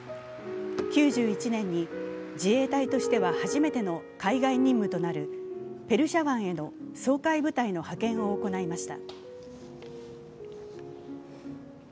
９１年に自衛隊としては初めての海外任務となるペルシャ湾への掃海部隊の派遣を行いました。